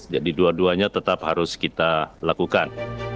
jadi dua duanya tetap harus kita lakukan